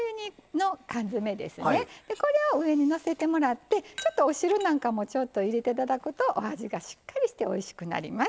これを上にのせてもらってちょっとお汁なんかも入れていただくとお味がしっかりしておいしくなります。